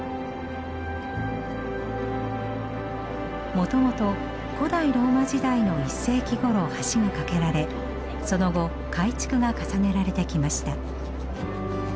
もともと古代ローマ時代の１世紀ごろ橋が架けられその後改築が重ねられてきました。